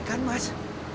dan untuk memperoleh